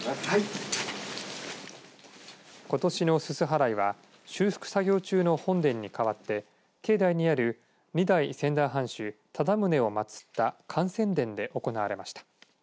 ことしの、すす払いは修復作業中の本殿にかわって境内にある２代仙台藩主忠宗を祭った感仙殿で行われました。